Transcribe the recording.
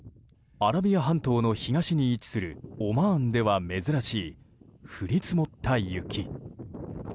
アラビア半島の東に位置するオマーンでは珍しい降り積もった雪。